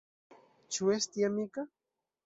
Ĉu esti amika?